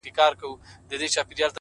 ورته په کـــور مې رنړا نه پرېخوده